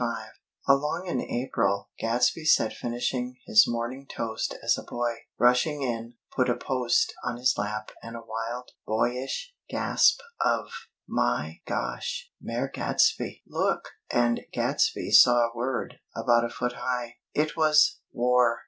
XXV Along in April, Gadsby sat finishing his morning toast as a boy, rushing in, put a "Post" on his lap with a wild, boyish gasp of: "My gosh, Mayor Gadsby, Look!!" and Gadsby saw a word about a foot high. It was W A R.